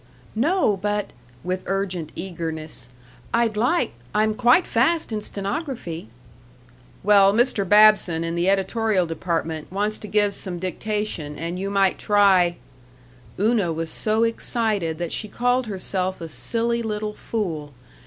"No, but," with urgent eagerness, "I'd like I'm quite fast in stenography." "Well, Mr. Babson, in the editorial department, wants to give some dictation and you might try " Una was so excited that she called herself a silly little fool.